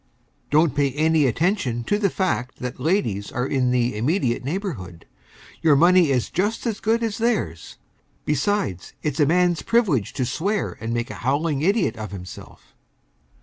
Don't pay any attention to the fact that ladies are in the immediate neighborhood. Your money is just as good as theirs. Besides, it's a man's privilege to swear and make a howling idiot of himself.